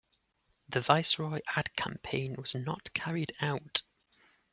The Viceroy ad campaign was not carried out.